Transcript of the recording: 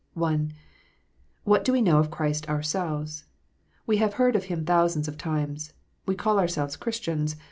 (1) What do we know of Christ ourselves? We have heard of Him thousands of times. We call ourselves Christians.